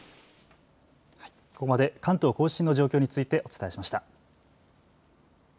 ここまで関東甲信の状況についてお伝えしました。